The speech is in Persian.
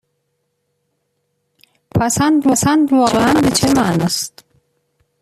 کاربرپسند واقعا به چه معنا است؟